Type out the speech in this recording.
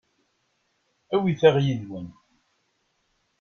Awit-aɣ yid-wen.